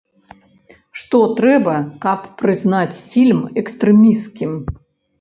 Што трэба, каб прызнаць фільм экстрэмісцкім?